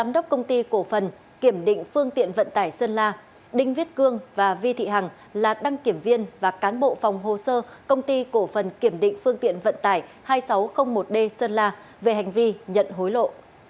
đinh viết cương và vi thị hằng là đăng kiểm viên và cán bộ phòng hồ sơ công ty cổ phần kiểm định phương tiện vận tải hai nghìn sáu trăm linh một d sơn la về hành vi nhận hối lộ